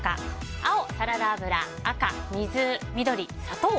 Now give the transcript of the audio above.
青、サラダ油赤、水緑、砂糖。